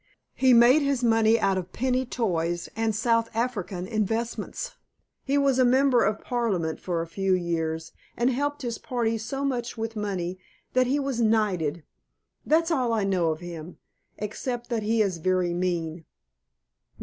He made his money out of penny toys and South African investments. He was a member of Parliament for a few years, and helped his party so much with money that he was knighted. That's all I know of him, except that he is very mean."